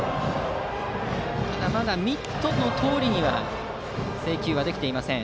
ただ、まだミットのとおりには制球できていません。